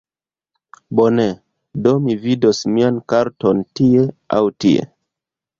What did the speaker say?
Bone, do mi vidos mian karton tie... aŭ tie?